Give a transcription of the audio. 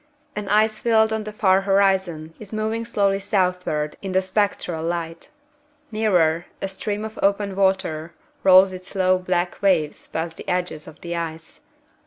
An ice field on the far horizon is moving slowly southward in the spectral light. Nearer, a stream of open water rolls its slow black waves past the edges of the ice.